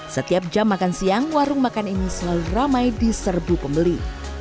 setiap jam makan siang warung makan ini selalu ramai di serbu pembeli